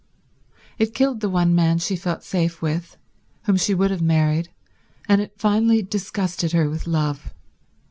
It killed the one man she felt safe with, whom she would have married, and it finally disgusted her with love.